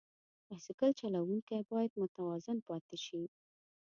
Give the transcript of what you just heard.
بایسکل چلوونکی باید متوازن پاتې شي.